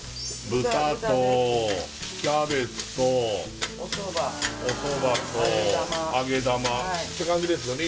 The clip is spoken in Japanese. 豚とキャベツとおソバ揚げ玉おソバと揚げ玉って感じですよね